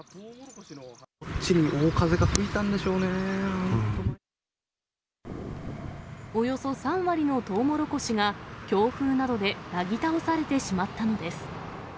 こっちに大風が吹いたんでしおよそ３割のとうもろこしが、強風などでなぎ倒されてしまったのです。